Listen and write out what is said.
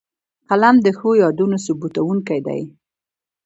قلم د ښو یادونو ثبتوونکی دی